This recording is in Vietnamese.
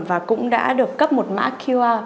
và cũng đã được cấp một mã qr